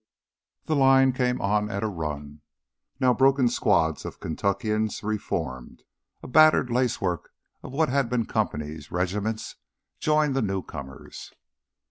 The line came on at a run. Now broken squads of Kentuckians re formed; a battered lacework of what had been companies, regiments, joined the newcomers.